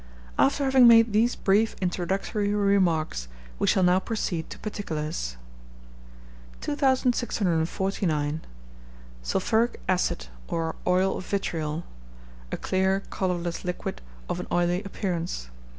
After having made these brief introductory remarks, we shall now proceed to particulars. 2649. Sulphuric Acid, or Oil of Vitriol (a clear, colourless liquid, of an oily appearance).